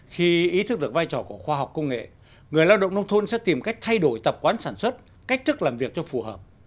khi ý thức được vai trò của khoa học công nghệ người lao động nông thôn sẽ tìm cách thay đổi tập quán sản xuất cách thức làm việc cho phù hợp